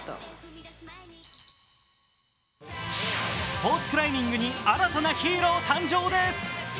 スポーツクライミングに新たなヒーロー誕生です。